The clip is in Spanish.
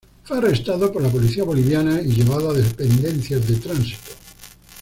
Fue arrestado por la policía boliviana y llevado a dependencias de tránsito.